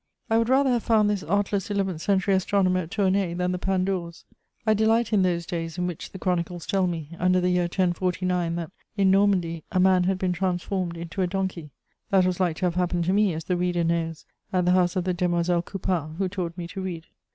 I would rather have found this artless eleventh century astronomer at Tournay than the Pandours. I delight in those days in which the chronicles tell me, under the year 1049, that, in Normandy, a man had been transformed into a donkey: that was like to have happened to me, as the reader knows, at the house of the Demoiselles Couppart, who taught me to read.